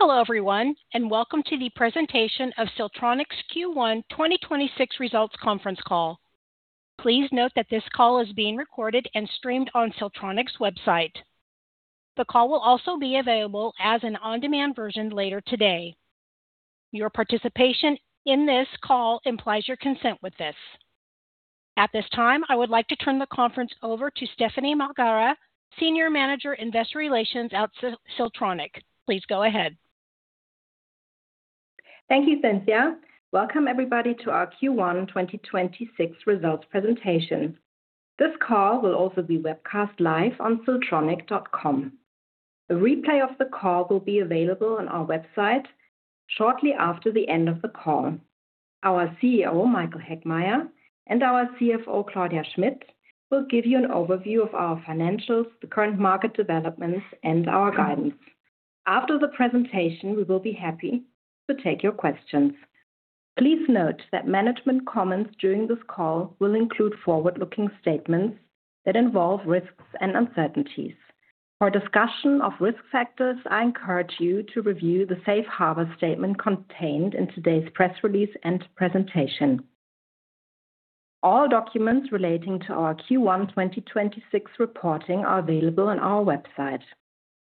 Hello everyone, welcome to the presentation of Siltronic's Q1 2026 results conference call. Please note that this call is being recorded and streamed on Siltronic's website. The call will also be available as an on-demand version later today. Your participation in this call implies your consent with this. At this time, I would like to turn the conference over to Stephanie Malgara, Senior Manager, Investor Relations at Siltronic. Please go ahead. Thank you, Cynthia. Welcome everybody to our Q1 2026 results presentation. This call will also be webcast live on siltronic.com. A replay of the call will be available on our website shortly after the end of the call. Our CEO, Michael Heckmeier, and our CFO, Claudia Schmitt, will give you an overview of our financials, the current market developments, and our guidance. After the presentation, we will be happy to take your questions. Please note that management comments during this call will include forward-looking statements that involve risks and uncertainties. For discussion of risk factors, I encourage you to review the Safe Harbor statement contained in today's press release and presentation. All documents relating to our Q1 2026 reporting are available on our website.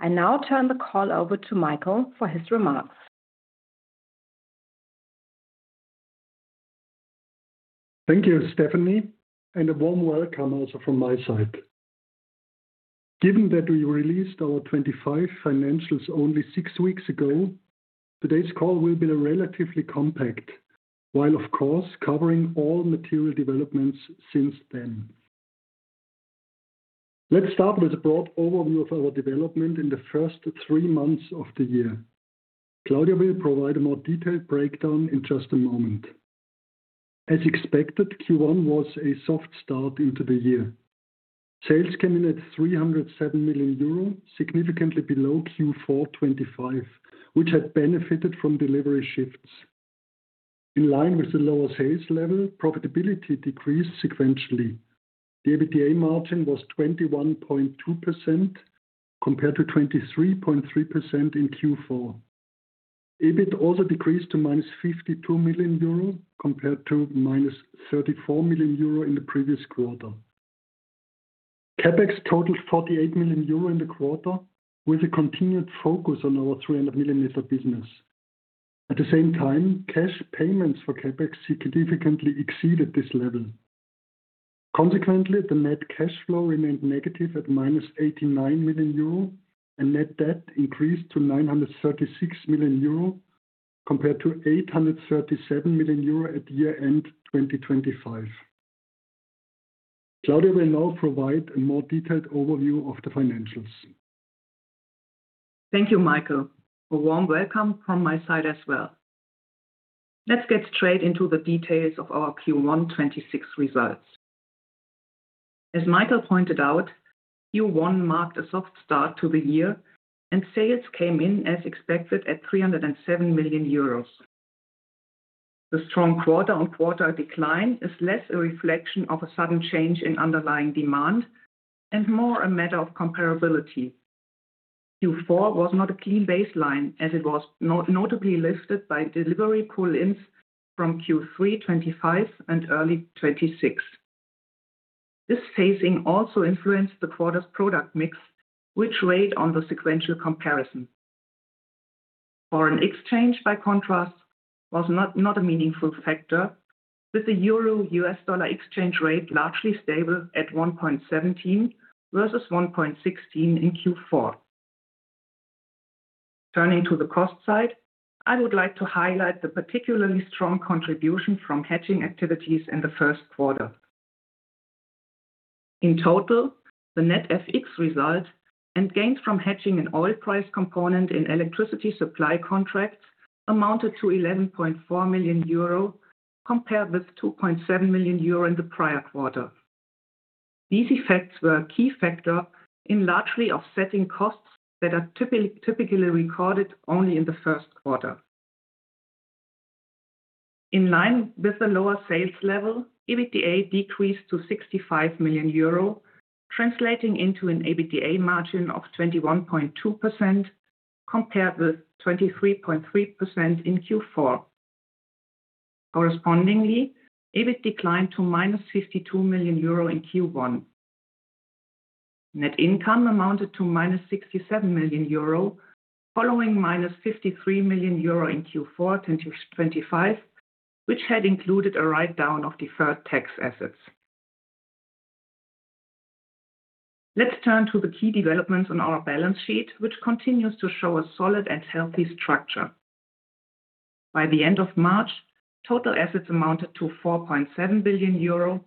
I now turn the call over to Michael for his remarks. Thank you, Stephanie, and a warm welcome also from my side. Given that we released our 2025 financials only six weeks ago, today's call will be relatively compact, while of course, covering all material developments since then. Let's start with a broad overview of our development in the first three months of the year. Claudia will provide a more detailed breakdown in just a moment. As expected, Q1 was a soft start into the year. Sales came in at 307 million euro, significantly below Q4 2025, which had benefited from delivery shifts. In line with the lower sales level, profitability decreased sequentially. The EBITDA margin was 21.2% compared to 23.3% in Q4. EBIT also decreased to -52 million euro compared to -34 million euro in the previous quarter. CapEx totaled 48 million euro in the quarter, with a continued focus on our 300 mm business. At the same time, cash payments for CapEx significantly exceeded this level. Consequently, the net cash flow remained negative at -89 million euro, and net debt increased to 936 million euro compared to 837 million euro at year-end 2025. Claudia will now provide a more detailed overview of the financials. Thank you, Michael. A warm welcome from my side as well. Let's get straight into the details of our Q1 2026 results. As Michael pointed out, Q1 marked a soft start to the year, and sales came in as expected at 307 million euros. The strong quarter-on-quarter decline is less a reflection of a sudden change in underlying demand and more a matter of comparability. Q4 was not a clean baseline, as it was notably lifted by delivery pull-ins from Q3 2025 and early 2026. This phasing also influenced the quarter's product mix, which weighed on the sequential comparison. Foreign exchange, by contrast, was not a meaningful factor, with the Euro-US dollar exchange rate largely stable at 1.17 versus 1.16 in Q4. Turning to the cost side, I would like to highlight the particularly strong contribution from hedging activities in the first quarter. In total, the net FX result and gains from hedging an oil price component in electricity supply contracts amounted to 11.4 million euro, compared with 2.7 million euro in the prior quarter. These effects were a key factor in largely offsetting costs that are typically recorded only in the first quarter. In line with the lower sales level, EBITDA decreased to 65 million euro, translating into an EBITDA margin of 21.2% compared with 23.3% in Q4. Correspondingly, EBIT declined to -52 million euro in Q1. Net income amounted to -67 million euro, following -53 million euro in Q4 2025, which had included a write-down of deferred tax assets. Let's turn to the key developments on our balance sheet, which continues to show a solid and healthy structure. By the end of March, total assets amounted to 4.7 billion euro,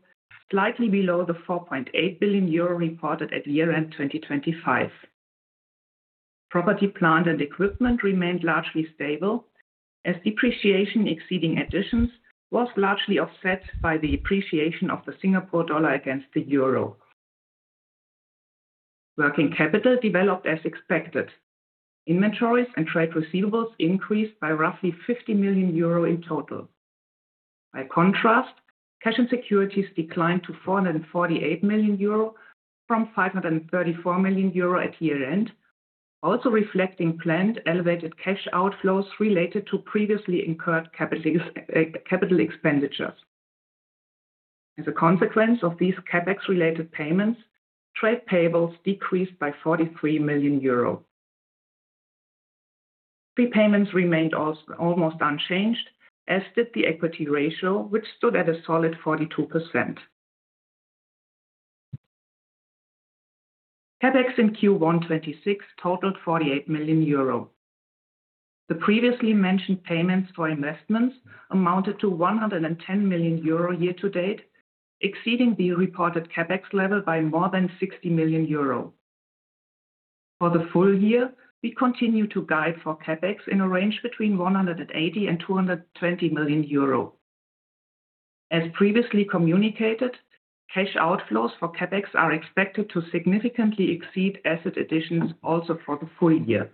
slightly below the 4.8 billion euro reported at year-end 2025. Property, plant, and equipment remained largely stable as depreciation exceeding additions was largely offset by the appreciation of the SGD against the EUR. Working capital developed as expected. Inventories and trade receivables increased by roughly 50 million euro in total. Cash and securities declined to 448 million euro from 534 million euro at year-end, also reflecting planned elevated cash outflows related to previously incurred capital expenditures. As a consequence of these CapEx-related payments, trade payables decreased by 43 million euros. Prepayments remained almost unchanged, as did the equity ratio, which stood at a solid 42%. CapEx in Q1 2026 totaled 48 million euro. The previously mentioned payments for investments amounted to 110 million euro year to date, exceeding the reported CapEx level by more than 60 million euro. For the full year, we continue to guide for CapEx in a range between 180 million and 220 million euro. As previously communicated, cash outflows for CapEx are expected to significantly exceed asset additions also for the full year.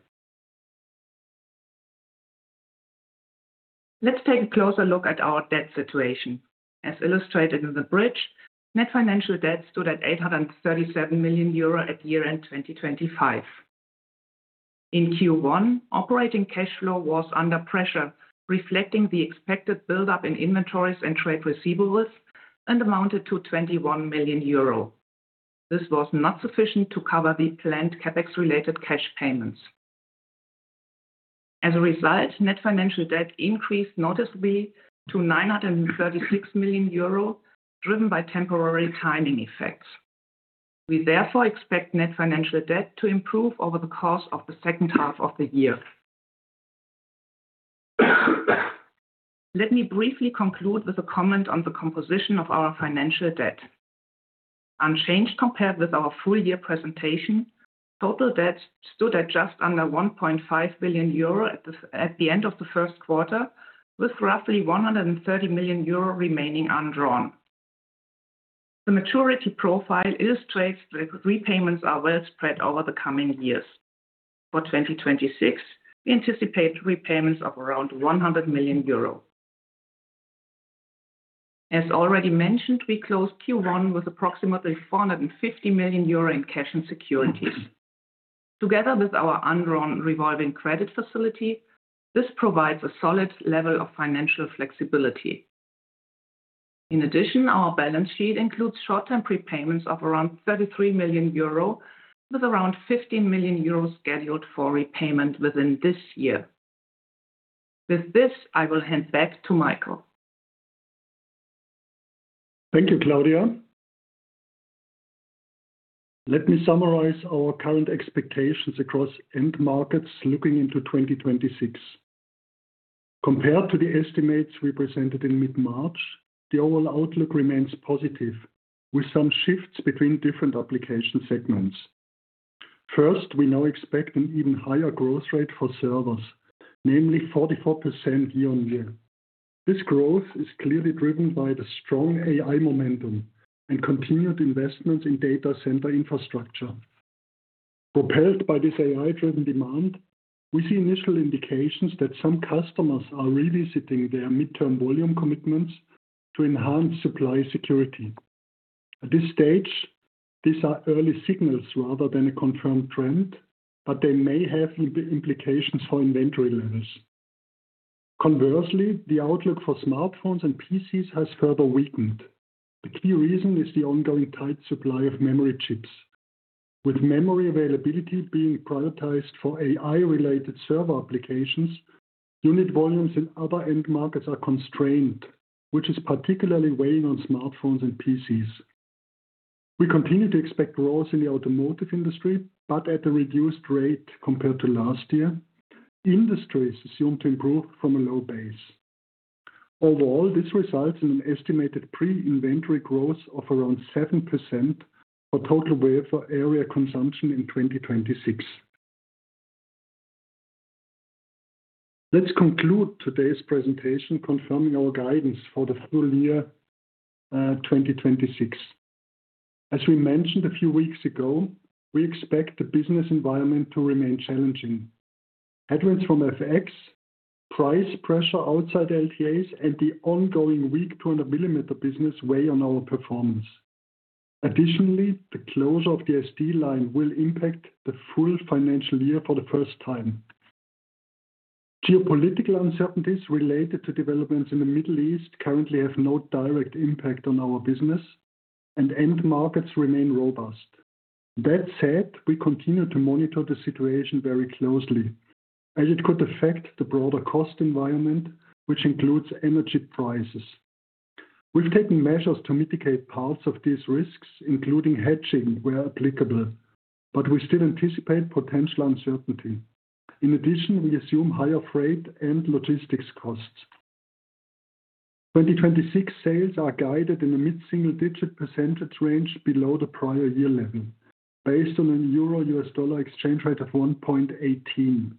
Let's take a closer look at our debt situation. As illustrated in the bridge, net financial debt stood at 837 million euro at year-end 2025. In Q1, operating cash flow was under pressure, reflecting the expected buildup in inventories and trade receivables, and amounted to 21 million euro. This was not sufficient to cover the planned CapEx-related cash payments. As a result, net financial debt increased noticeably to 936 million euro, driven by temporary timing effects. We therefore expect net financial debt to improve over the course of the second half of the year. Let me briefly conclude with a comment on the composition of our financial debt. Unchanged compared with our full-year presentation, total debt stood at just under 1.5 billion euro at the end of the first quarter, with roughly 130 million euro remaining undrawn. The maturity profile illustrates that repayments are well spread over the coming years. For 2026, we anticipate repayments of around 100 million euro. As already mentioned, we closed Q1 with approximately 450 million euro in cash and securities. Together with our undrawn revolving credit facility, this provides a solid level of financial flexibility. In addition, our balance sheet includes short-term prepayments of around 33 million euro, with around 15 million euros scheduled for repayment within this year. With this, I will hand back to Michael. Thank you, Claudia. Let me summarize our current expectations across end markets looking into 2026. Compared to the estimates we presented in mid-March, the overall outlook remains positive, with some shifts between different application segments. First, we now expect an even higher growth rate for servers, namely 44% year-on-year. This growth is clearly driven by the strong AI momentum and continued investments in data center infrastructure. Propelled by this AI-driven demand, we see initial indications that some customers are revisiting their midterm volume commitments to enhance supply security. At this stage, these are early signals rather than a confirmed trend, but they may have implications for inventory levels. Conversely, the outlook for smartphones and PCs has further weakened. The key reason is the ongoing tight supply of memory chips. With memory availability being prioritized for AI-related server applications, unit volumes in other end markets are constrained, which is particularly weighing on smartphones and PCs. We continue to expect growth in the automotive industry, but at a reduced rate compared to last year. The industry is assumed to improve from a low base. Overall, this results in an estimated pre-inventory growth of around 7% for total wafer area consumption in 2026. Let's conclude today's presentation confirming our guidance for the full year 2026. As we mentioned a few weeks ago, we expect the business environment to remain challenging. Headwinds from FX, price pressure outside LTAs, and the ongoing weak 200 mm business weigh on our performance. Additionally, the closure of the SD line will impact the full financial year for the first time. Geopolitical uncertainties related to developments in the Middle East currently have no direct impact on our business, and end markets remain robust. That said, we continue to monitor the situation very closely, as it could affect the broader cost environment, which includes energy prices. We've taken measures to mitigate parts of these risks, including hedging where applicable, but we still anticipate potential uncertainty. In addition, we assume higher freight and logistics costs. 2026 sales are guided in the mid-single-digit percentage range below the prior year level based on a euro-USD exchange rate of 1.18.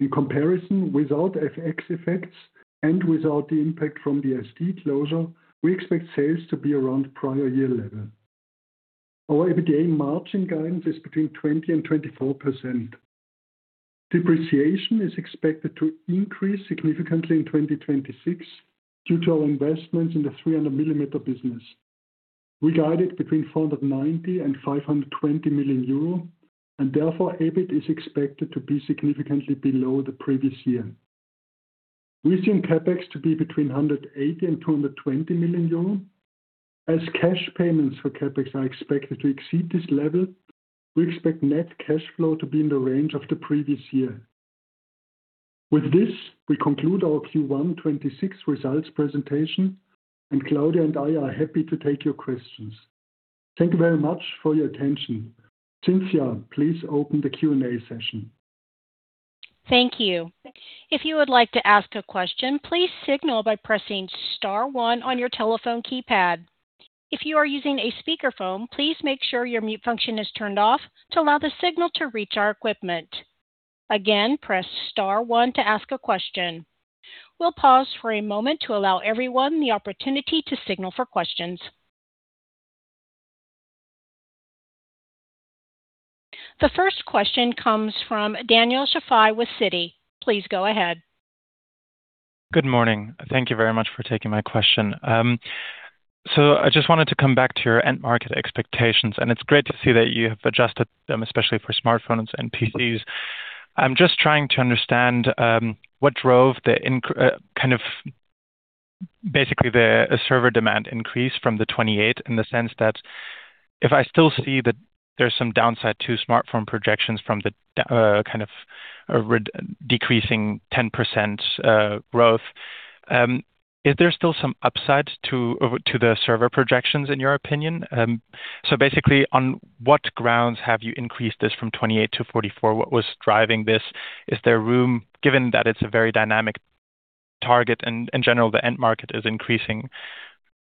In comparison, without FX effects and without the impact from the SD closure, we expect sales to be around prior year level. Our EBITDA margin guidance is between 20% and 24%. Depreciation is expected to increase significantly in 2026 due to our investments in the 300 mm business. We guide it between 490 million and 520 million euro. Therefore, EBIT is expected to be significantly below the previous year. We're seeing CapEx to be between 180 million and 220 million euros. As cash payments for CapEx are expected to exceed this level, we expect net cash flow to be in the range of the previous year. With this, we conclude our Q1 2026 results presentation. Claudia and I are happy to take your questions. Thank you very much for your attention. Cynthia, please open the Q&A session. Thank you. If you would like to ask a question, please signal by pressing star one on your telephone keypad. If you are using a speakerphone, please make sure your mute function is turned off to allow the signal to reach our equipment. Again, press star one to ask a question. We'll pause for a moment to allow everyone the opportunity to signal for questions. The first question comes from Daniel Schafei with Citi. Please go ahead. Good morning. Thank you very much for taking my question. I just wanted to come back to your end market expectations, and it is great to see that you have adjusted them, especially for smartphones and PCs. I am just trying to understand what drove the server demand increase from the 28 in the sense that if I still see that there is some downside to smartphone projections from the re-decreasing 10% growth, is there still some upside to the server projections in your opinion? Basically, on what grounds have you increased this from 28 to 44? What was driving this? Is there room, given that it is a very dynamic target and in general, the end market is increasing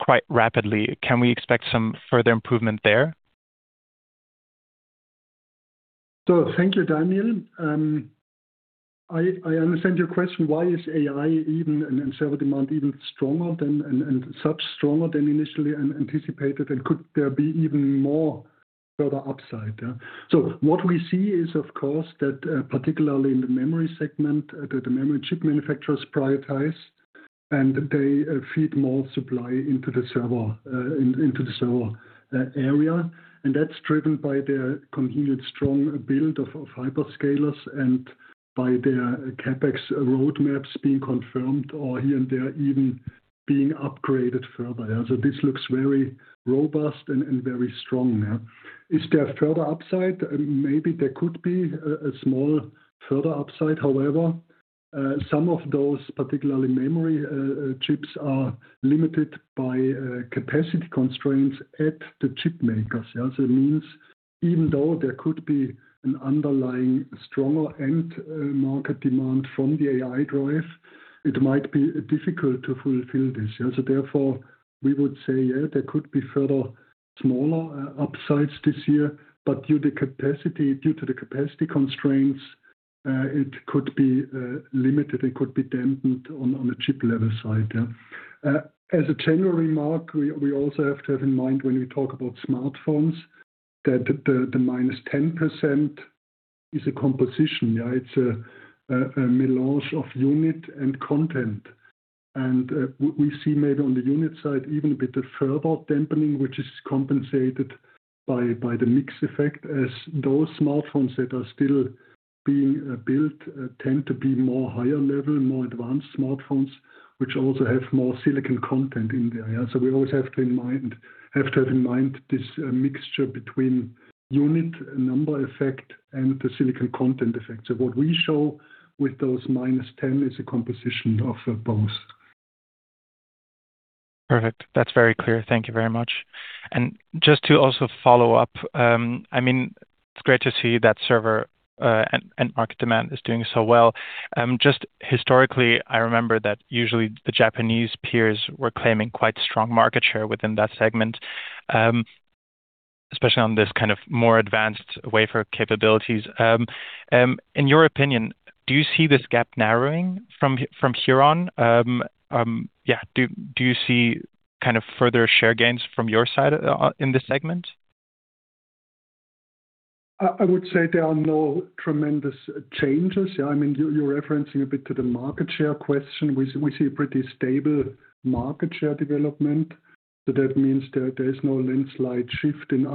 quite rapidly, can we expect some further improvement there? Thank you, Daniel. I understand your question, why is AI even and server demand even stronger than, and sub stronger than initially anticipated, and could there be even more further upside? Yeah. What we see is, of course, that particularly in the memory segment, that the memory chip manufacturers prioritize, and they feed more supply into the server area. That's driven by their continued strong build of hyperscalers and by their CapEx roadmaps being confirmed or here and there even being upgraded further. Yeah. This looks very robust and very strong. Yeah. Is there further upside? Maybe there could be a small further upside. However, some of those, particularly memory chips, are limited by capacity constraints at the chip makers. Yeah. It means even though there could be an underlying stronger end market demand from the AI drive, it might be difficult to fulfill this. Yeah. Therefore, we would say, yeah, there could be further smaller upsides this year, but due to the capacity constraints, it could be limited, it could be dampened on a chip level side. Yeah. As a general remark, we also have to have in mind when we talk about smartphones that the -10% is a composition. Yeah. It's a melange of unit and content. We see maybe on the unit side, even a bit of further dampening, which is compensated by the mix effect as those smartphones that are still being built tend to be more higher level, more advanced smartphones, which also have more silicon content in there. Yeah. We always have to have in mind this mixture between unit number effect and the silicon content effect. What we show with those -10% is a composition of both. Perfect. That's very clear. Thank you very much. Just to also follow up, I mean, it's great to see that server and market demand is doing so well. Just historically, I remember that usually the Japanese peers were claiming quite strong market share within that segment, especially on this kind of more advanced wafer capabilities. In your opinion, do you see this gap narrowing from here on? Do you see kind of further share gains from your side in this segment? I would say there are no tremendous changes. Yeah, I mean, you're referencing a bit to the market share question. We see a pretty stable market share development. That means that there's no landslide shift in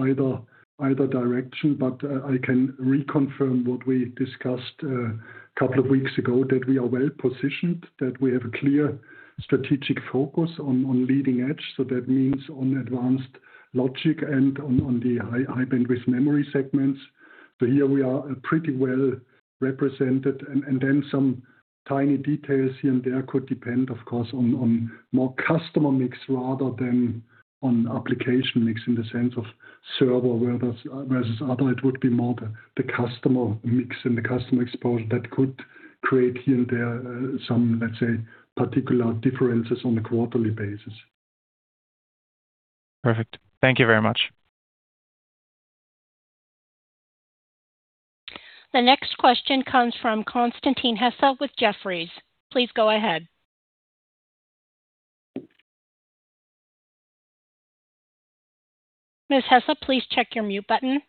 either direction. I can reconfirm what we discussed a couple of weeks ago, that we are well positioned, that we have a clear strategic focus on leading edge. That means on advanced logic and on the High Bandwidth Memory segments. Here we are pretty well represented. Some tiny details here and there could depend, of course, on more customer mix rather than on application mix in the sense of server versus other, it would be more the customer mix and the customer exposure that could create here and there, some, let's say, particular differences on a quarterly basis. Perfect. Thank you very much. The next question comes from Constantin Hesse with Jefferies. Please go ahead. Mr. Hesse, please check your mute button.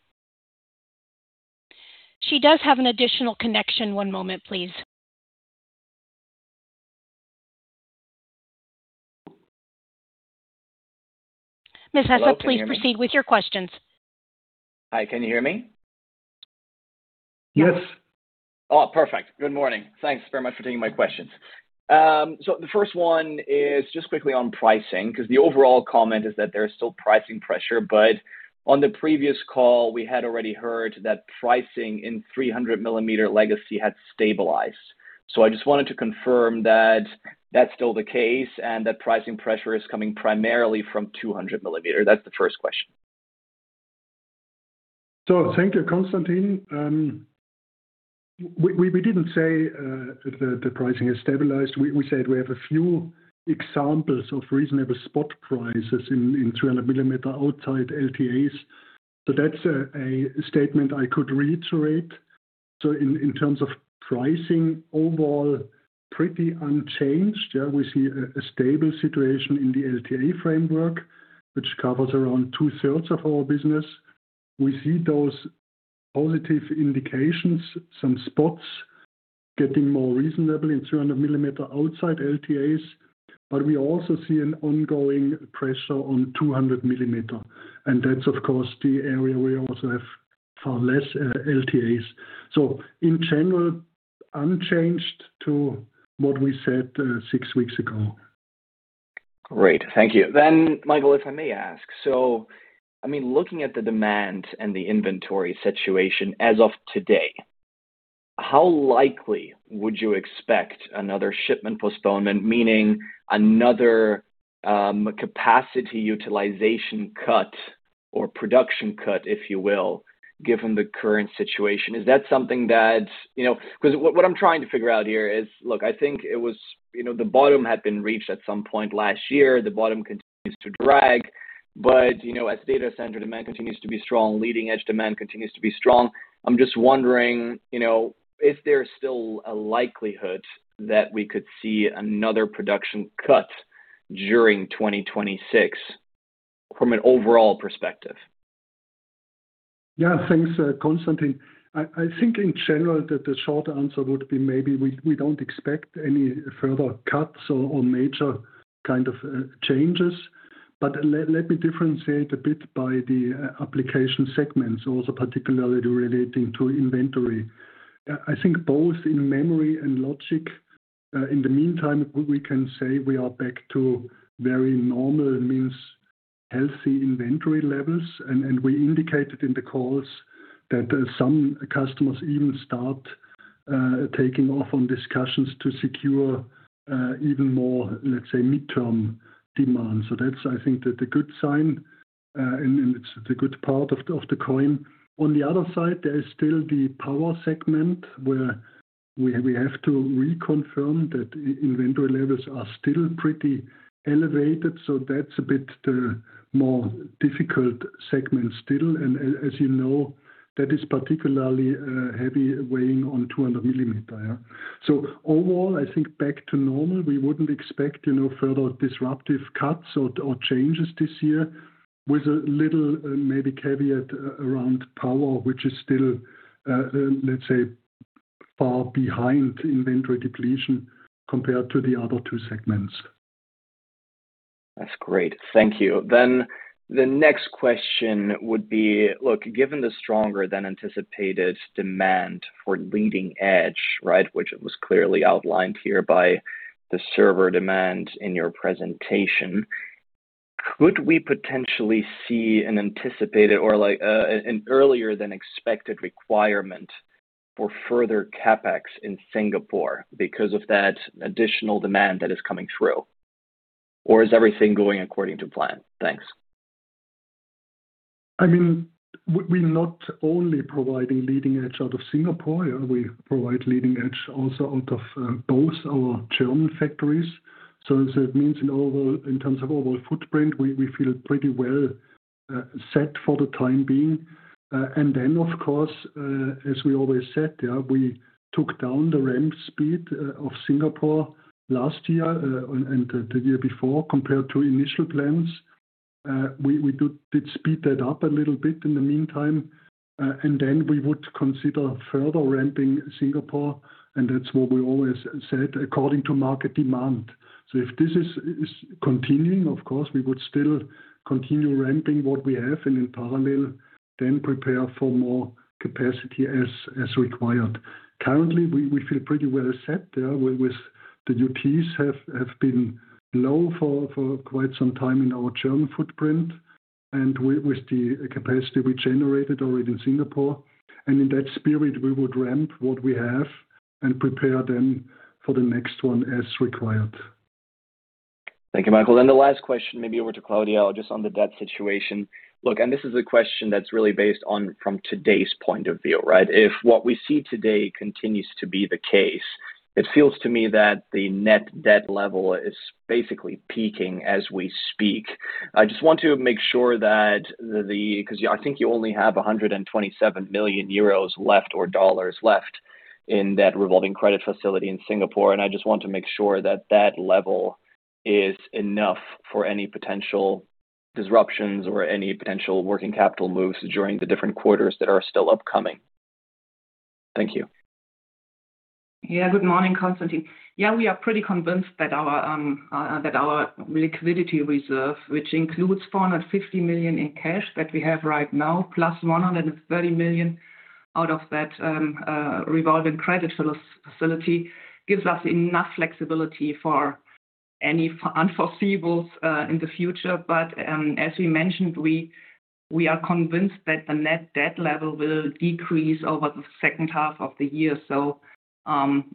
He does have an additional connection. One moment please. Mr. Hesse, please proceed with your questions. Hi, can you hear me? Yes. Perfect. Good morning. Thanks very much for taking my questions. The first one is just quickly on pricing, 'cause the overall comment is that there's still pricing pressure. On the previous call, we had already heard that pricing in 300 mm legacy had stabilized. I just wanted to confirm that that's still the case, and that pricing pressure is coming primarily from 200 mm. That's the first question. Thank you, Constantin. We didn't say that the pricing has stabilized. We said we have a few examples of reasonable spot prices in 300 mm outside LTAs. That's a statement I could reiterate. In terms of pricing, overall pretty unchanged. Yeah, we see a stable situation in the LTA framework, which covers around 2/3 of our business. We see those positive indications, some spots getting more reasonable in 300 mm outside LTAs. We also see an ongoing pressure on 200 mm, and that's, of course, the area we also have far less LTAs. In general, unchanged to what we said six weeks ago. Great. Thank you. Michael, if I may ask, I mean, looking at the demand and the inventory situation as of today, how likely would you expect another shipment postponement, meaning another capacity utilization cut or production cut, if you will, given the current situation? Is that something that, you know, what I'm trying to figure out here is, I think it was, you know, the bottom had been reached at some point last year. The bottom continues to drag. You know, as data center demand continues to be strong, leading-edge demand continues to be strong. I'm just wondering, you know, if there's still a likelihood that we could see another production cut during 2026 from an overall perspective. Thanks, Constantin. I think in general that the short answer would be maybe we don't expect any further cuts or major kind of changes. Let me differentiate a bit by the application segments also particularly relating to inventory. I think both in memory and logic, in the meantime, we can say we are back to very normal, means healthy inventory levels. We indicated in the calls that some customers even start taking off on discussions to secure even more, let's say, midterm demand. That's, I think, the good sign and it's the good part of the coin. On the other side, there is still the power segment where we have to reconfirm that inventory levels are still pretty elevated, that's a bit the more difficult segment still. As you know, that is particularly heavy weighing on 200 mm. Overall, I think back to normal. We wouldn't expect, you know, further disruptive cuts or changes this year with a little maybe caveat around power, which is still let's say far behind inventory depletion compared to the other two segments. That's great. Thank you. The next question would be, look, given the stronger than anticipated demand for leading edge, right, which it was clearly outlined here by the server demand in your presentation, could we potentially see an anticipated or like, an earlier than expected requirement for further CapEx in Singapore because of that additional demand that is coming through? Or is everything going according to plan? Thanks. I mean, we're not only providing leading edge out of Singapore. We provide leading edge also out of both our German factories. It means in overall, in terms of overall footprint, we feel pretty well set for the time being. Of course, as we always said, we took down the ramp speed of Singapore last year and the year before compared to initial plans. We did speed that up a little bit in the meantime. We would consider further ramping Singapore, and that's what we always said according to market demand. If this is continuing, of course, we would still continue ramping what we have and in parallel then prepare for more capacity as required. Currently, we feel pretty well set with the UTs have been low for quite some time in our German footprint and with the capacity we generated already in Singapore. In that spirit, we would ramp what we have and prepare then for the next one as required. Thank you, Michael. The last question maybe over to Claudia just on the debt situation. This is a question that's really based on from today's point of view, right? If what we see today continues to be the case, it feels to me that the net debt level is basically peaking as we speak. I just want to make sure that I think you only have 127 million euros or SGD left in that revolving credit facility in Singapore. I just want to make sure that that level is enough for any potential disruptions or any potential working capital moves during the different quarters that are still upcoming. Thank you. Good morning, Constantin. We are pretty convinced that our liquidity reserve, which includes 450 million in cash that we have right now, plus 130 million out of that revolving credit facility, gives us enough flexibility for any unforeseeables in the future. As we mentioned, we are convinced that the net debt level will decrease over the second half of the year. From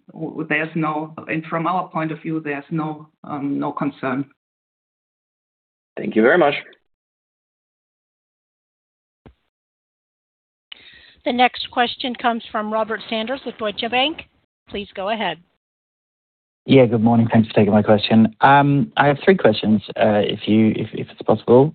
our point of view, there's no concern. Thank you very much. The next question comes from Robert Sanders with Deutsche Bank. Please go ahead. Yeah, good morning. Thanks for taking my question. I have three questions, if it's possible.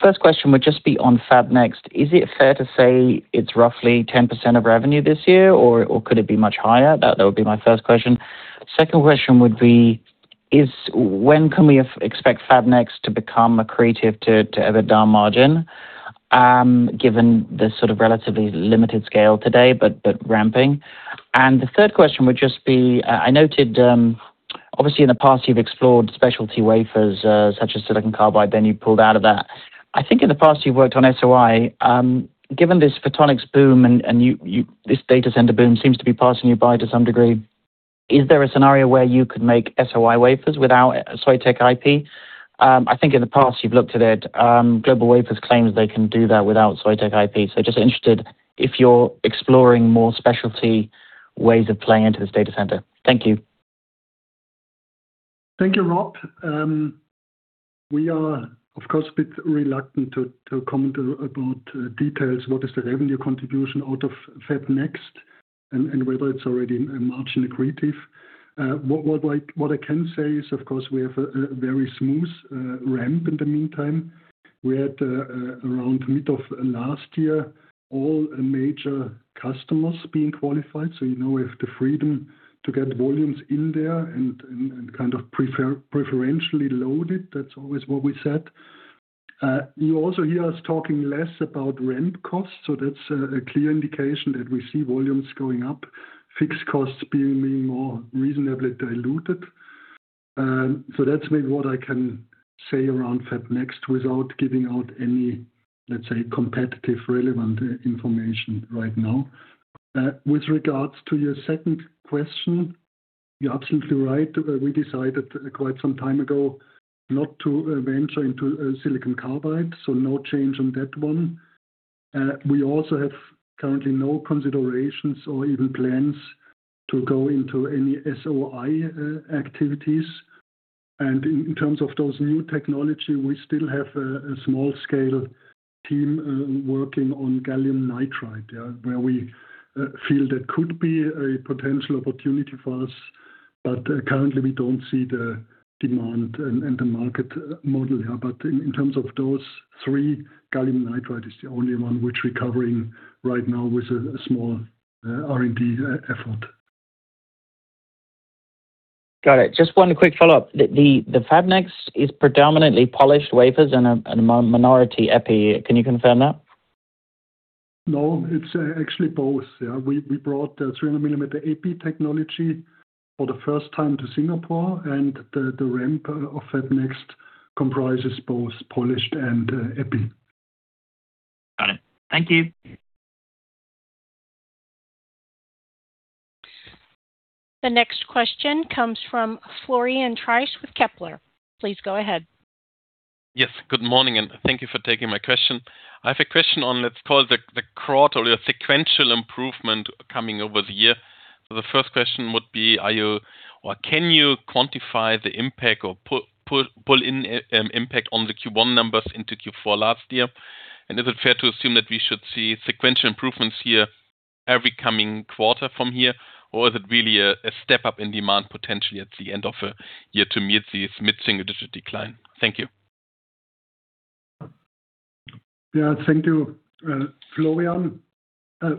First question would just be on FabNext. Is it fair to say it's roughly 10% of revenue this year, or could it be much higher? That would be my first question. Second question would be, when can we expect FabNext to become accretive to EBITDA margin, given the sort of relatively limited scale today, but ramping? The third question would just be, I noted, obviously in the past, you've explored specialty wafers, such as silicon carbide, then you pulled out of that. I think in the past, you've worked on SOI. Given this photonics boom and you this data center boom seems to be passing you by to some degree. Is there a scenario where you could make SOI wafers without Soitec IP? I think in the past you've looked at it. GlobalWafers claims they can do that without Soitec IP. Just interested if you're exploring more specialty ways of playing into this data center. Thank you. Thank you, Rob. We are, of course, a bit reluctant to comment about details, what is the revenue contribution out of FabNext and whether it's already margin accretive. What I can say is, of course, we have a very smooth ramp in the meantime. We had around mid of last year, all major customers being qualified, so you know we have the freedom to get volumes in there and kind of preferentially load it. That's always what we said. You also hear us talking less about ramp costs, that's a clear indication that we see volumes going up, fixed costs being more reasonably diluted. That's maybe what I can say around FabNext without giving out any, let's say, competitive relevant information right now. With regards to your second question, you're absolutely right. We decided quite some time ago not to venture into silicon carbide, so no change on that one. We also have currently no considerations or even plans to go into any SOI activities. In terms of those new technology, we still have a small scale team working on gallium nitride, where we feel there could be a potential opportunity for us, but currently, we don't see the demand and the market model here. In terms of those three, gallium nitride is the only one which we're covering right now with a small R&D effort. Got it. Just one quick follow-up. The FabNext is predominantly polished wafers and a minority epi. Can you confirm that? It's actually both. Yeah. We brought the 300 mm epi technology for the first time to Singapore, and the ramp of FabNext comprises both polished and epi. Got it. Thank you. The next question comes from Florian Treisch with Kepler. Please go ahead. Yes, good morning, and thank you for taking my question. I have a question on, let's call the quarter, the sequential improvement coming over the year. The first question would be, are you or can you quantify the impact or pull in impact on the Q1 numbers into Q4 last year? Is it fair to assume that we should see sequential improvements here every coming quarter from here? Is it really a step up in demand potentially at the end of a year to meet these mid-single-digit decline? Thank you. Thank you, Florian.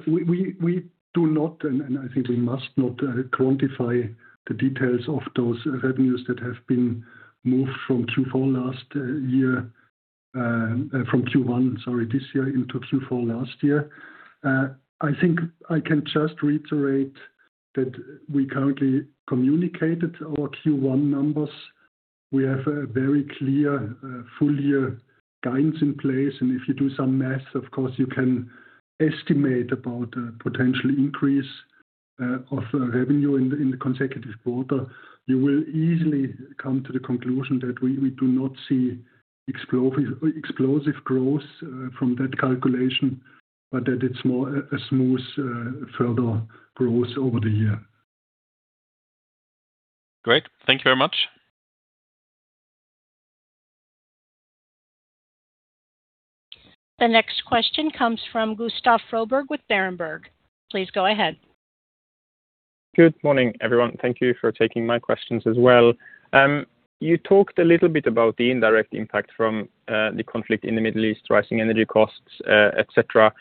We do not, and I think we must not, quantify the details of those revenues that have been moved from Q4 last year, from Q1, sorry, this year into Q4 last year. I think I can just reiterate that we currently communicated our Q1 numbers. We have a very clear, full year guidance in place, and if you do some math, of course, you can estimate about a potential increase of revenue in the consecutive quarter. You will easily come to the conclusion that we do not see explosive growth from that calculation, but that it's more a smooth, further growth over the year. Great. Thank you very much. The next question comes from Gustav Froberg with Berenberg. Please go ahead. Good morning, everyone. Thank you for taking my questions as well. You talked a little bit about the indirect impact from the conflict in the Middle East, rising energy costs, et cetera.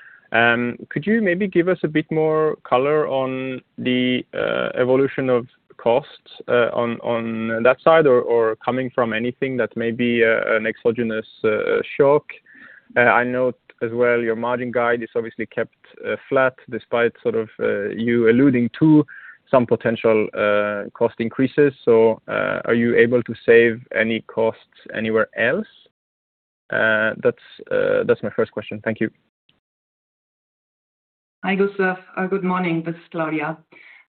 Could you maybe give us a bit more color on the evolution of costs on that side or coming from anything that may be an exogenous shock? I know as well your margin guide is obviously kept flat despite sort of you alluding to some potential cost increases. Are you able to save any costs anywhere else? That's my first question. Thank you. Hi, Gustav. Good morning. This is Claudia.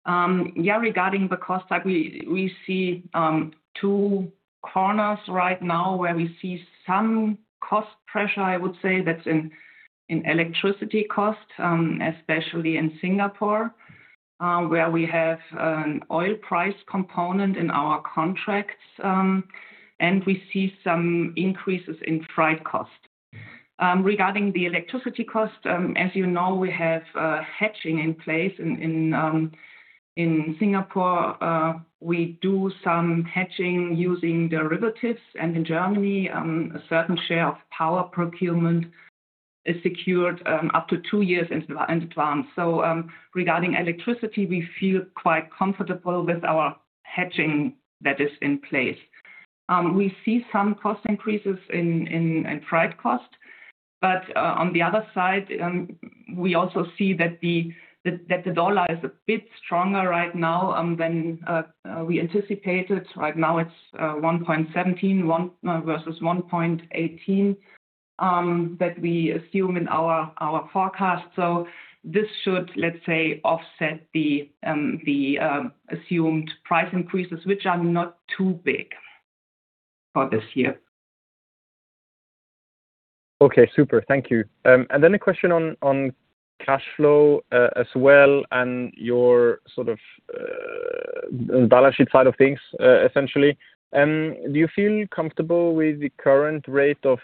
Regarding the cost side, we see two corners right now where we see some cost pressure, I would say, that's in electricity costs, especially in Singapore, where we have an oil price component in our contracts, and we see some increases in freight costs. Regarding the electricity cost, as you know, we have hedging in place. In Singapore, we do some hedging using derivatives, and in Germany, a certain share of power procurement is secured up to two years in advance. Regarding electricity, we feel quite comfortable with our hedging that is in place. We see some cost increases in freight costs, on the other side, we also see that the dollar is a bit stronger right now than we anticipated. Right now it's 1.17 versus 1.18, that we assume in our forecast. This should, let's say, offset the assumed price increases, which are not too big for this year. Okay. Super. Thank you. A question on cash flow as well and your sort of balance sheet side of things essentially. Do you feel comfortable with the current rate of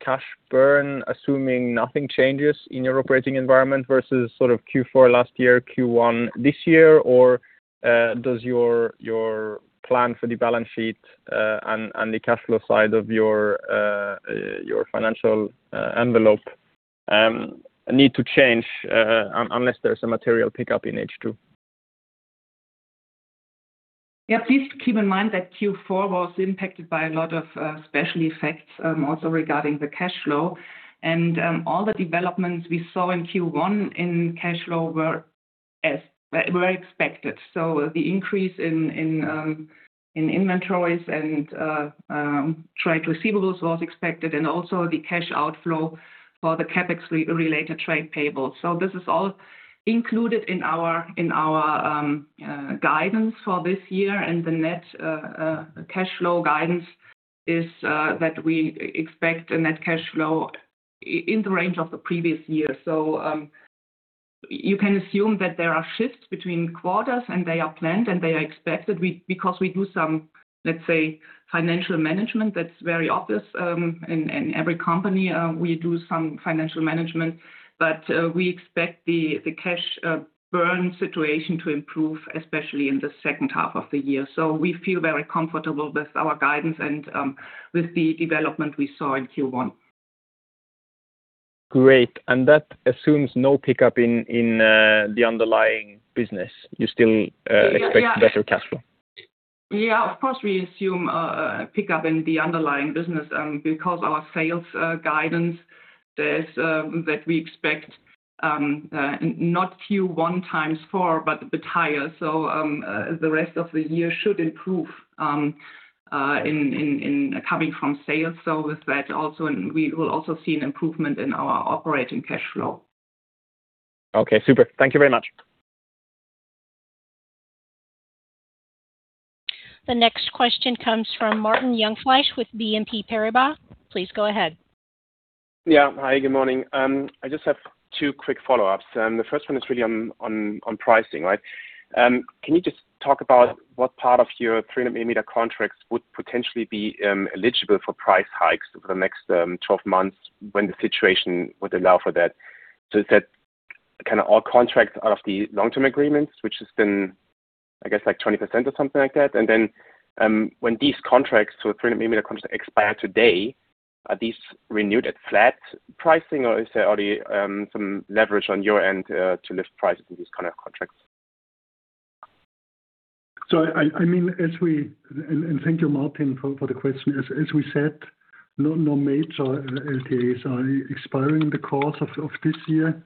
cash burn, assuming nothing changes in your operating environment versus sort of Q4 last year, Q1 this year? Does your plan for the balance sheet and the cash flow side of your financial envelope need to change unless there's a material pickup in H2? Please keep in mind that Q4 was impacted by a lot of special effects, also regarding the cash flow and all the developments we saw in Q1 in cash flow were expected. The increase in inventories and trade receivables was expected and also the cash outflow for the CapEx-related trade payables. This is all included in our guidance for this year. The net cash flow guidance is that we expect a net cash flow in the range of the previous year. You can assume that there are shifts between quarters, and they are planned, and they are expected. Because we do some, let's say, financial management that's very obvious, in every company, we do some financial management, but we expect the cash burn situation to improve, especially in the second half of the year. We feel very comfortable with our guidance and with the development we saw in Q1. Great. That assumes no pickup in the underlying business. Yeah. Yeah. Expect better cash flow. Of course, we assume a pickup in the underlying business, because our sales guidance, that we expect not Q1 x4, but a bit higher. The rest of the year should improve in coming from sales. With that also, we will also see an improvement in our operating cash flow. Okay. Super. Thank you very much. The next question comes from Martin Jungfleisch with BNP Paribas. Please go ahead. Yeah. Hi, good morning. I just have two quick follow-ups, the first one is really on pricing, right? Can you just talk about what part of your 300 mm contracts would potentially be eligible for price hikes over the next 12 months when the situation would allow for that? Is that kind of all contracts out of the Long-Term Agreements, which has been, I guess, like 20% or something like that? When these contracts, so 300 mm contracts expire today, are these renewed at flat pricing or is there already some leverage on your end to lift prices in these kind of contracts? Thank you, Martin, for the question. As we said, no major LTAs are expiring in the course of this year.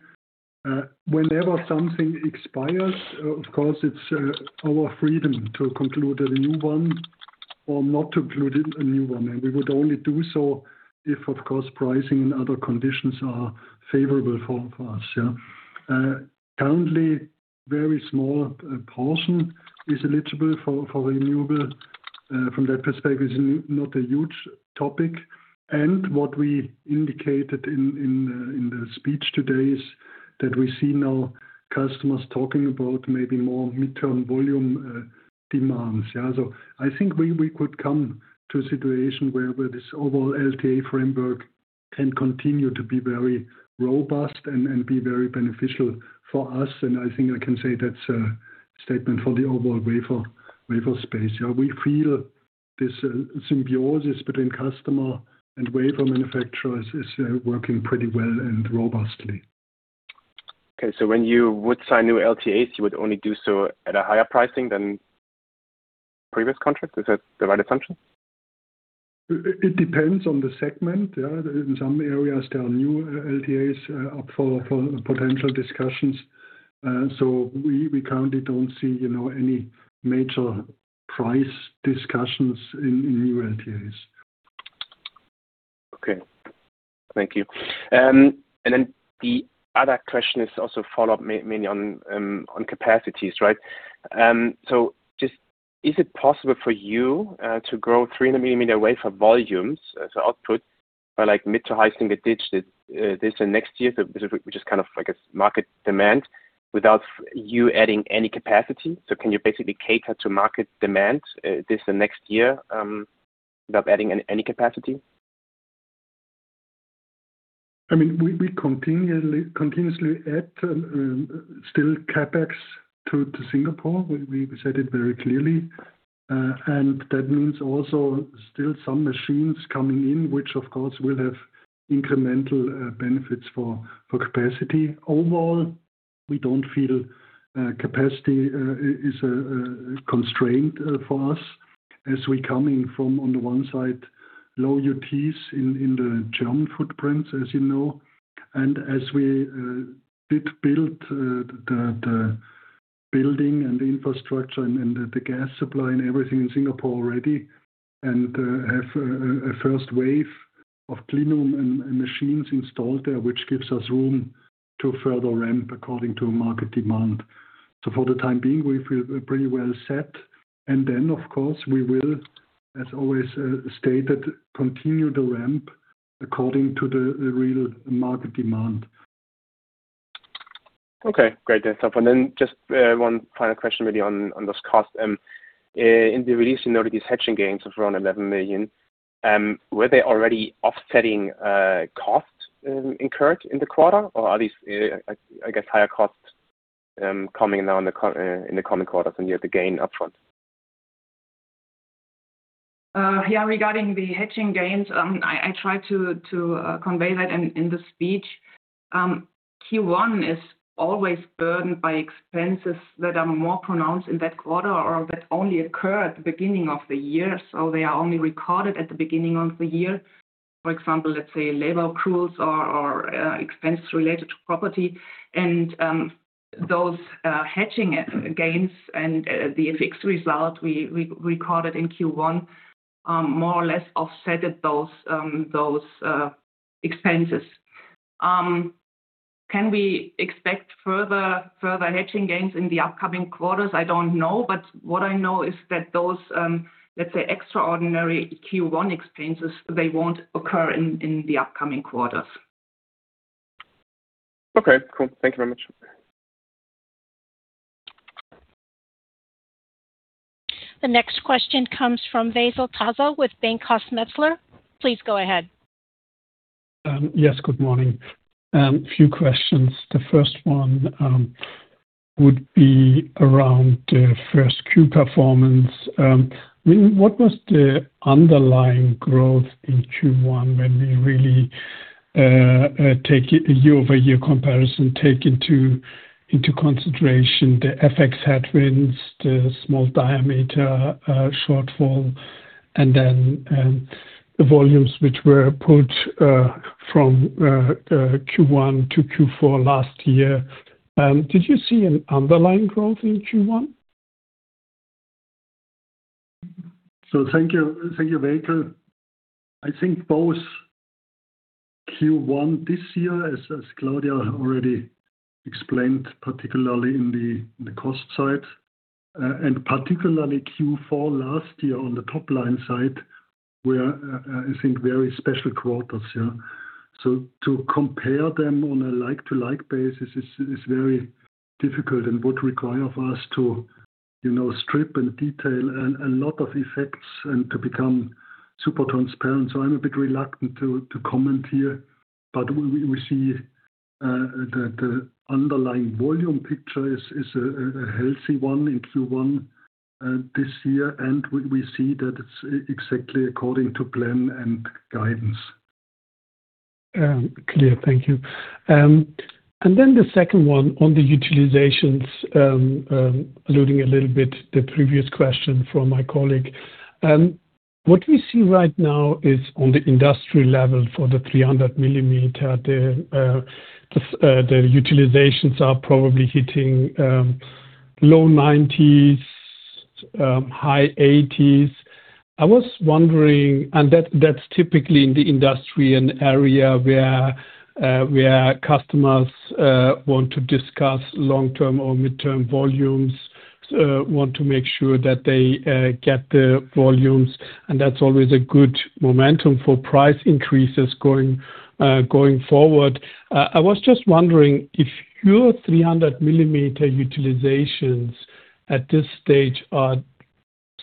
Whenever something expires, of course, it's our freedom to conclude a new one or not to conclude a new one. We would only do so if, of course, pricing and other conditions are favorable for us. Currently, very small portion is eligible for renewal. From that perspective, it's not a huge topic. What we indicated in the speech today is that we see now customers talking about maybe more mid-term volume demands. I think we could come to a situation where this overall LTA framework can continue to be very robust and be very beneficial for us. I think I can say that's a statement for the overall wafer space. Yeah, we feel this symbiosis between customer and wafer manufacturers is working pretty well and robustly. Okay. When you would sign new LTAs, you would only do so at a higher pricing than previous contract? Is that the right assumption? It depends on the segment, yeah. In some areas there are new LTAs up for potential discussions. We currently don't see, you know, any major price discussions in new LTAs. Okay. Thank you. The other question is also follow up mainly on capacities, right? Is it possible for you to grow 300 mm wafer volumes, as output by like mid to high single digits, this and next year? Which is kind of like a market demand without you adding any capacity. Can you basically cater to market demand, this and next year, without adding any capacity? I mean, we continually, continuously add, still CapEx to Singapore. We said it very clearly. That means also still some machines coming in, which of course will have incremental benefits for capacity. Overall, we don't feel capacity is a constraint for us as we coming from, on the one side, low UTs in the German footprints, as you know. As we did build the building and the infrastructure and the gas supply and everything in Singapore already, and have a first wave of clean room and machines installed there, which gives us room to further ramp according to market demand. For the time being, we feel pretty well set. Of course, we will, as always, stated, continue the ramp according to the real market demand. Okay, great. That's helpful. Just one final question maybe on those costs. In the release you noted these hedging gains of around 11 million. Were they already offsetting costs incurred in the quarter? Or are these, I guess higher costs coming now in the coming quarters and you have the gain upfront? Yeah, regarding the hedging gains, I tried to convey that in the speech. Q1 is always burdened by expenses that are more pronounced in that quarter or that only occur at the beginning of the year. They are only recorded at the beginning of the year. For example, let's say labor accruals or expense related to property. Those hedging gains and the fixed result we recorded in Q1 more or less offset those expenses. Can we expect further hedging gains in the upcoming quarters? I don't know. What I know is that those, let's say, extraordinary Q1 expenses, they won't occur in the upcoming quarters. Okay, cool. Thank you very much. The next question comes from Veysel Taze with Bankhaus Metzler. Please go ahead. Yes, good morning. Few questions. The first one would be around the first Q performance. What was the underlying growth in Q1 when we really take a year-over-year comparison, take into consideration the FX headwinds, the small diameter shortfall, and then the volumes which were put from Q1 to Q4 last year? Did you see an underlying growth in Q1? Thank you. Thank you, Veysel. I think both Q1 this year, as Claudia already explained, particularly in the cost side, and particularly Q4 last year on the top line side, were, I think very special quarters, yeah. To compare them on a like-to-like basis is very difficult and would require for us to, you know, strip and detail and a lot of effects and to become super transparent. I'm a bit reluctant to comment here. We see the underlying volume picture is a healthy one in Q1 this year, and we see that it's exactly according to plan and guidance. Clear. Thank you. Then the second one on the utilizations, alluding a little bit the previous question from my colleague. What we see right now is on the industry level for the 300 mm, the utilizations are probably hitting high 80s-low 90s. That's typically in the industry and area where customers want to discuss long-term or midterm volumes, want to make sure that they get the volumes, and that's always a good momentum for price increases going forward. I was just wondering if your 300 mm utilizations at this stage are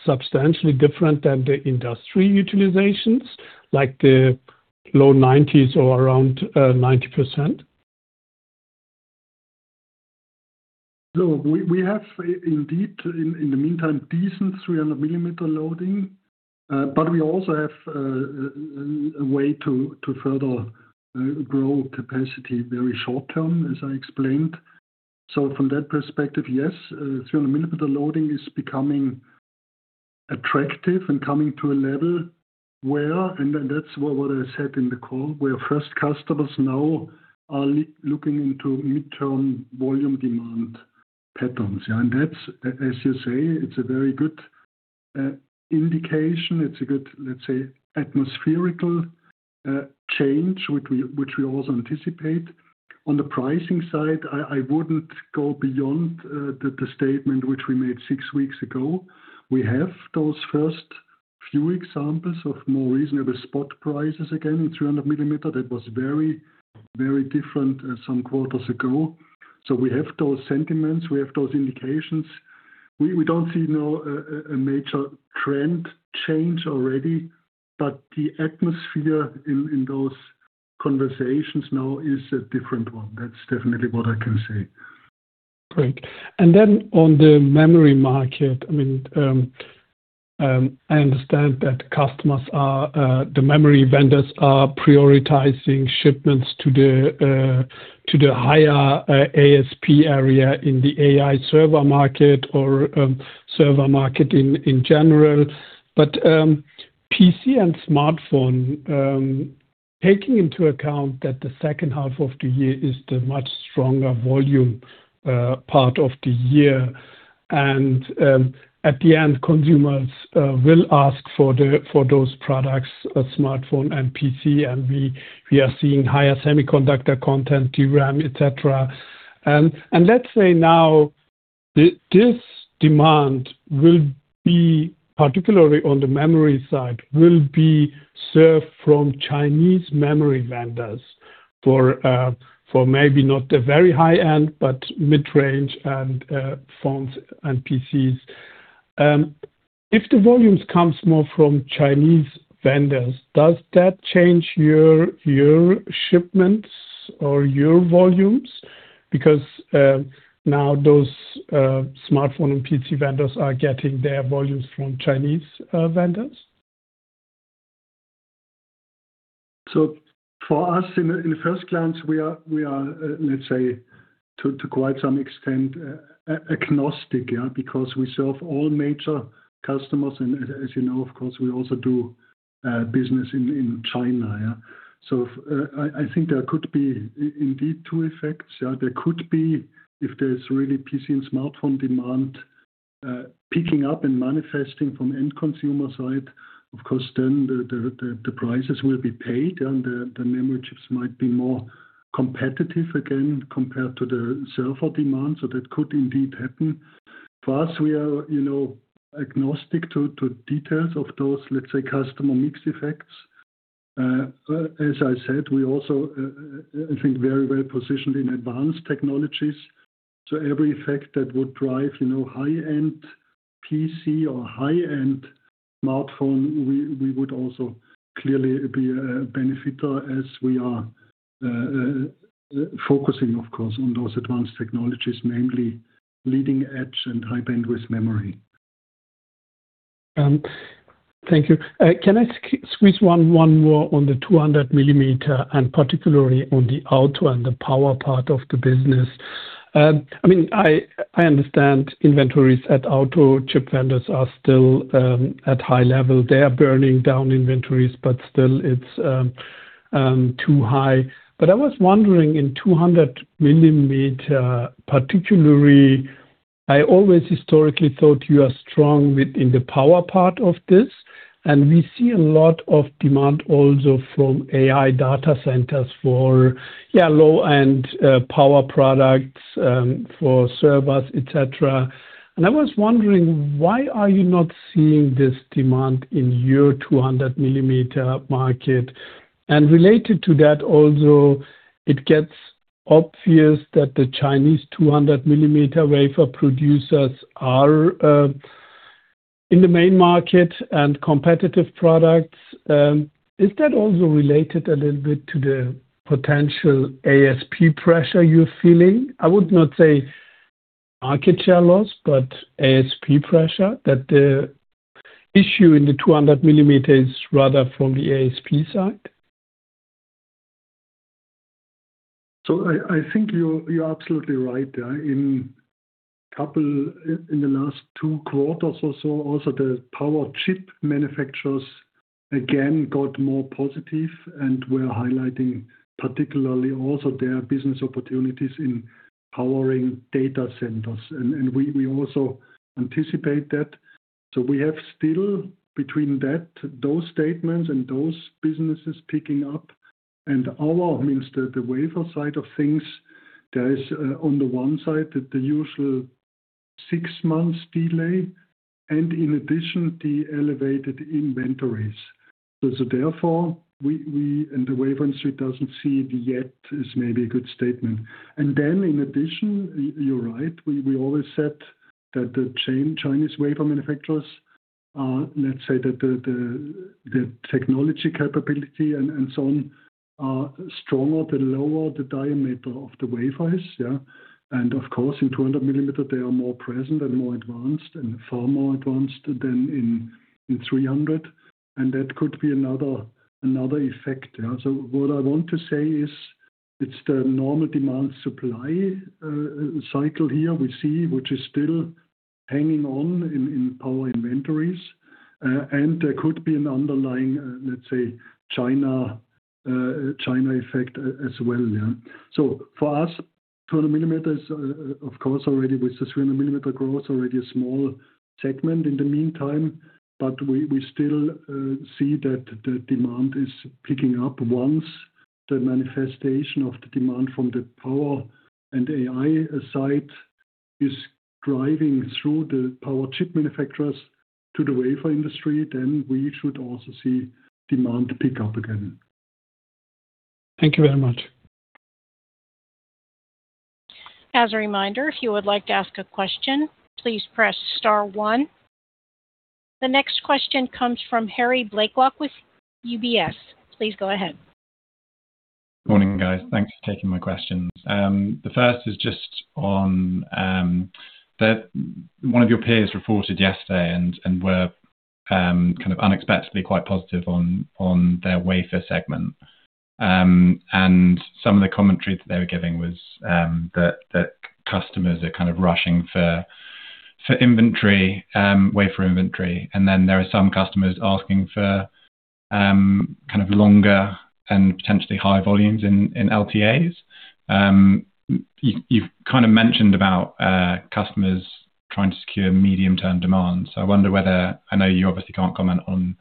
substantially different than the industry utilizations, like the low 90s or around 90%. Look, we have indeed in the meantime, decent 300 mm loading, but we also have a way to further grow capacity very short-term, as I explained. From that perspective, yes, 300 mm loading is becoming attractive and coming to a level where, and that's what I said in the call, where first customers now are looking into midterm volume demand patterns. Yeah. That's, as you say, it's a very good indication. It's a good, let's say, atmospherical change, which we also anticipate. On the pricing side, I wouldn't go beyond the statement which we made six weeks ago. We have those first few examples of more reasonable spot prices, again, in 300 mm. That was very different some quarters ago. We have those sentiments, we have those indications. We don't see no, a major trend change already, but the atmosphere in those conversations now is a different one. That's definitely what I can say. Great. On the memory market, I mean, I understand that customers are, the memory vendors are prioritizing shipments to the higher ASP area in the AI server market or server market in general. PC and smartphone, taking into account that the second half of the year is the much stronger volume part of the year, and at the end, consumers will ask for those products, smartphone and PC, and we are seeing higher semiconductor content, DRAM, et cetera. Let's say now this demand will be, particularly on the memory side, will be served from Chinese memory vendors for maybe not the very high-end, but mid-range and phones and PCs. If the volumes come more from Chinese vendors, does that change your shipments or your volumes? Now those, smartphone and PC vendors are getting their volumes from Chinese, vendors. For us in the first glance, we are, let's say, to quite some extent, agnostic. Because we serve all major customers, and as you know, of course, we also do business in China. I think there could be indeed two effects. There could be if there's really PC and smartphone demand picking up and manifesting from end consumer side. Of course, then the prices will be paid and the memory chips might be more competitive again compared to the server demand. That could indeed happen. For us, we are, you know, agnostic to details of those, let's say, customer mix effects. As I said, we also, I think very positioned in advanced technologies. Every effect that would drive, you know, high-end PC or high-end smartphone, we would also clearly be a benefactor as we are focusing, of course, on those advanced technologies, namely leading edge and High Bandwidth Memory. Thank you. Can I squeeze one more on the 200 mm and particularly on the auto and the power part of the business? I mean, I understand inventories at auto chip vendors are still at high level. They are burning down inventories, still it's too high. I was wondering in 200 mm particularly, I always historically thought you are strong with in the power part of this, and we see a lot of demand also from AI data centers for low-end power products for servers, et cetera. I was wondering, why are you not seeing this demand in your 200 mm market? Related to that also, it gets obvious that the Chinese 200 mm wafer producers are in the main market and competitive products. Is that also related a little bit to the potential ASP pressure you're feeling? I would not say market share loss, but ASP pressure, that the issue in the 200 mm is rather from the ASP side. I think you're absolutely right. In the last two quarters or so, also the power chip manufacturers again got more positive and were highlighting particularly also their business opportunities in powering data centers. We, we also anticipate that. We have still between that, those statements and those businesses picking up and our, means the wafer side of things, there is on the one side, the usual six months delay and in addition, the elevated inventories. Therefore, we, and the wafer industry doesn't see it yet is maybe a good statement. In addition, you're right, we always said that the Chinese wafer manufacturers are, let's say that the, the technology capability and so on are stronger the lower the diameter of the wafers, yeah. Of course, in 200 mm they are more present and more advanced, and far more advanced than in 300 mm, and that could be another effect. What I want to say is it's the normal demand supply cycle here we see, which is still hanging on in power inventories. There could be an underlying, let's say China effect as well. For us, 200 mm, of course already with the 300 mm growth, already a small segment in the meantime. We still see that the demand is picking up once the manifestation of the demand from the power and AI side is driving through the power chip manufacturers to the wafer industry, then we should also see demand pick up again. Thank you very much. As a reminder, if you would like to ask a question, please press star one. The next question comes from Harry Blaiklock with UBS. Please go ahead. Morning, guys. Thanks for taking my questions. The first is just on one of your peers reported yesterday and were kind of unexpectedly quite positive on their wafer segment. And some of the commentary that they were giving was that customers are kind of rushing for inventory, wafer inventory. There are some customers asking for kind of longer and potentially higher volumes in LTAs. You've kind of mentioned about customers trying to secure medium-term demand. I wonder whether, I know you obviously can't comment on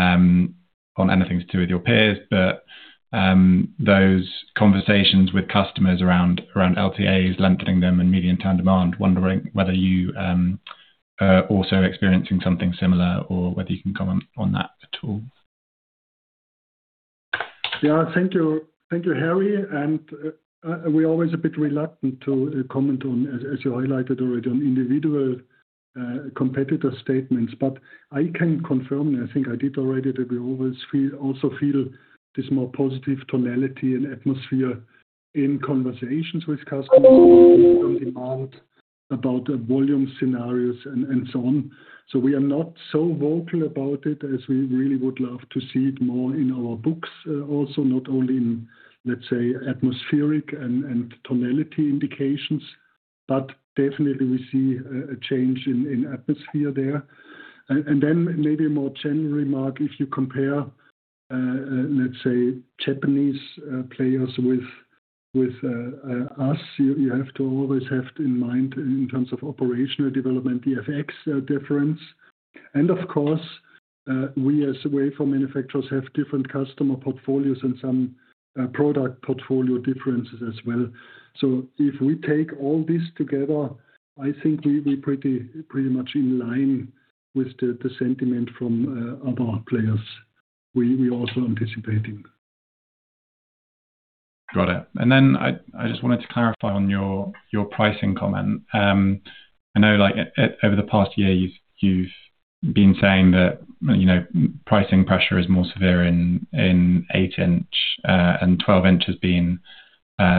anything to do with your peers, but those conversations with customers around LTAs, lengthening them and medium-term demand, wondering whether you are also experiencing something similar or whether you can comment on that at all. Yeah. Thank you. Thank you, Harry. We're always a bit reluctant to comment on, as you highlighted already, on individual competitor statements, but I can confirm, and I think I did already, that we also feel this more positive tonality and atmosphere in conversations with customers on demand about volume scenarios and so on. We are not so vocal about it as we really would love to see it more in our books. Not only in, let's say, atmospheric and tonality indications, but definitely we see a change in atmosphere there. Maybe a more general remark, if you compare, let's say, Japanese players with us, you have to always have in mind in terms of operational development, the FX difference. Of course, we as wafer manufacturers have different customer portfolios and some product portfolio differences as well. If we take all this together, I think we pretty much in line with the sentiment from other players. We also anticipating. Got it. I just wanted to clarify on your pricing comment. I know like over the past year, you've been saying that, you know, pricing pressure is more severe in eight-inch and 12-inch has been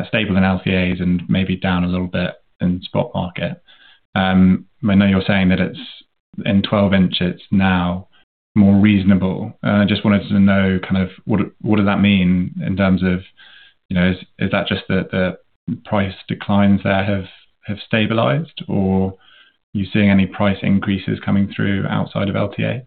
stable in LTAs and maybe down a little bit in spot market. I know you're saying that it's in 12-inch it's now more reasonable. I just wanted to know kind of what does that mean in terms of, you know, is that just that the price declines there have stabilized? Are you seeing any price increases coming through outside of LTAs?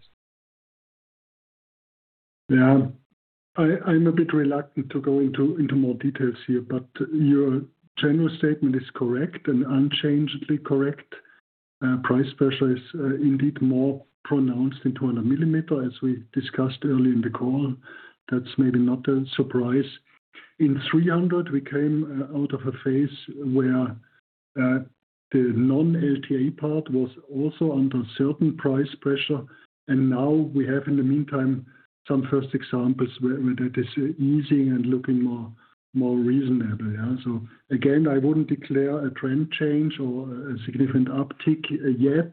I'm a bit reluctant to go into more details here, but your general statement is correct and unchangeably correct. Price pressure is indeed more pronounced in 200 mm, as we discussed earlier in the call. That's maybe not a surprise. In 300 mm, we came out of a phase where the non-LTA part was also under certain price pressure. Now we have, in the meantime, some first examples where that is easing and looking more reasonable. Again, I wouldn't declare a trend change or a significant uptick yet,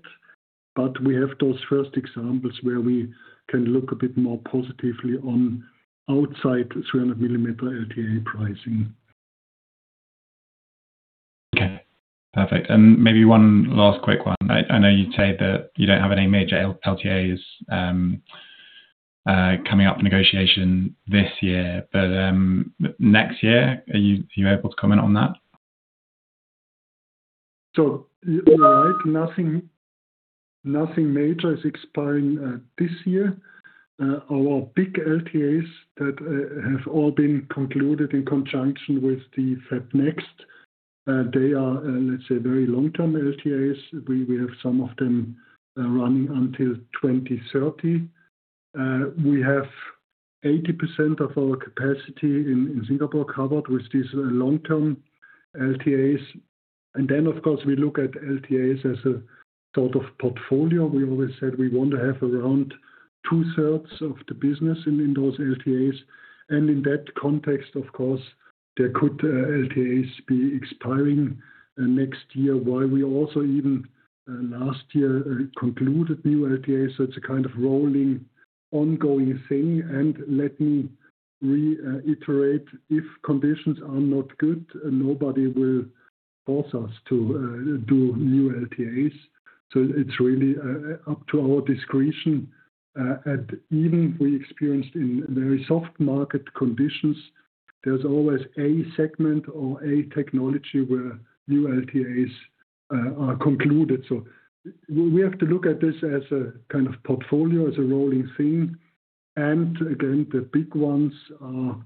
but we have those first examples where we can look a bit more positively on outside 300 mm LTA pricing. Okay. Perfect. Maybe one last quick one. I know you say that you don't have any major LTAs coming up in negotiation this year, next year, are you able to comment on that? You're right. Nothing, nothing major is expiring this year. Our big LTAs that have all been concluded in conjunction with the FabNext, they are, let's say very long-term LTAs. We have some of them running until 2030. We have 80% of our capacity in Singapore covered with these long-term LTAs. Of course, we look at LTAs as a sort of portfolio. We always said we want to have around 2/3 of the business in those LTAs. In that context, of course, there could LTAs be expiring next year, while we also even last year concluded new LTAs. It's a kind of rolling, ongoing thing. Let me reiterate, if conditions are not good, nobody will force us to do new LTAs. It's really up to our discretion. Even if we experienced in very soft market conditions, there's always a segment or a technology where new LTAs are concluded. We have to look at this as a kind of portfolio, as a rolling thing. Again, the big ones are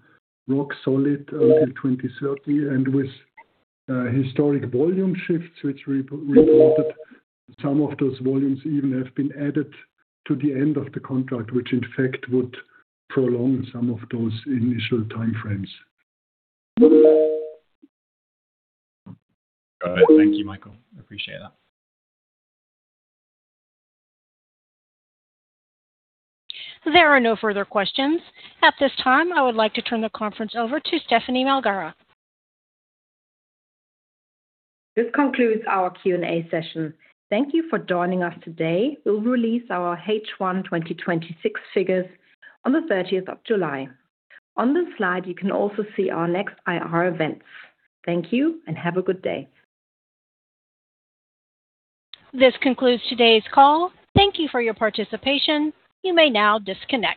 rock solid until 2030. With historic volume shifts which we wanted, some of those volumes even have been added to the end of the contract, which in fact would prolong some of those initial time frames. Got it. Thank you, Michael. Appreciate that. There are no further questions. At this time, I would like to turn the conference over to Stephanie Malgara. This concludes our Q&A session. Thank you for joining us today. We'll release our H1 2026 figures on the 30th of July. On this slide, you can also see our next IR events. Thank you, and have a good day. This concludes today's call. Thank you for your participation. You may now disconnect.